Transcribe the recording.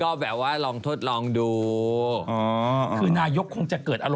อ้าวแล้วทำไมท่านเป็นหมอดูตาซะเหรอ